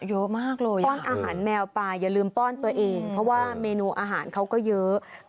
เยอะมากเลยป้อนอาหารแมวไปอย่าลืมป้อนตัวเองเพราะว่าเมนูอาหารเขาก็เยอะ